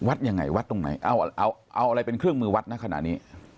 วัดยังไงวัดตรงไหนเอาเอาอะไรเป็นเครื่องมือวัดนะขณะนี้